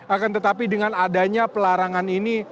akan tetapi dengan adanya pelarangan ini